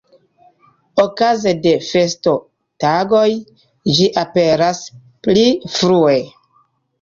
Okaze de festotagoj ĝi aperas pli frue.